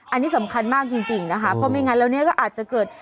อันนี้สำคัญมากจริงนะคะเพราะไม่งั้นแล้วเนี่ยก็อาจจะเกิด